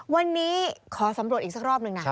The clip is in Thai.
วันนี้ขอสำรวจอีกสักรอบหนึ่งนะ